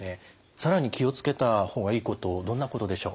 更に気を付けた方がいいことどんなことでしょう？